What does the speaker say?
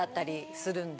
するんで。